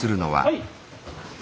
はい！